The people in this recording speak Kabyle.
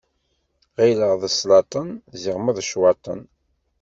Ɣileɣ d sslaṭen, ziɣemma d ccwaṭen.